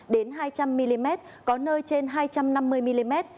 đến hai trăm linh mm có nơi trên hai trăm năm mươi mm